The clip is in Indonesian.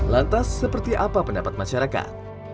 lantas seperti apa pendapat masyarakat